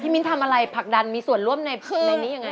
มิ้นทำอะไรผลักดันมีส่วนร่วมในนี้ยังไง